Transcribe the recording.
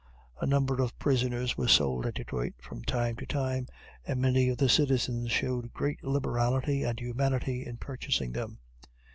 A number of prisoners were sold at Detroit from time to time, and many of the citizens showed great liberality and humanity in purchasing them.